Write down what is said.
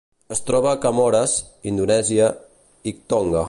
Es troba a Comores, Indonèsia i Tonga.